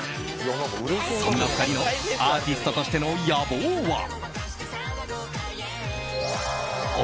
そんな２人のアーティストとしての野望は。